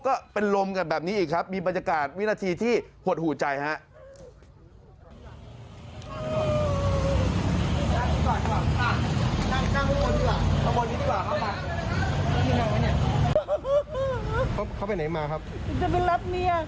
ก็เป็นลมกันแบบนี้อีกครับมีบรรยากาศวินาทีที่หดหูใจฮะ